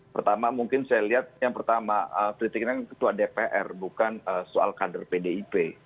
pertama mungkin saya lihat yang pertama kritiknya ketua dpr bukan soal kader pdip